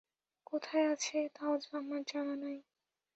কোথায় আছে তাও আমার জানা।